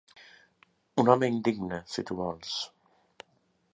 Un home indigne, si tu vols;